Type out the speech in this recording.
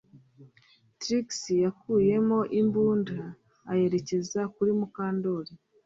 Trix yakuyemo imbunda ayerekeza kuri Mukandoli